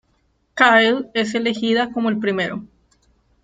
Kyle es elegida como el primero.